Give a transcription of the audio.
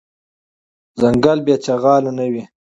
ځنګل بی شغاله نه وي .